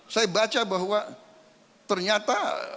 saya baca bahwa ternyata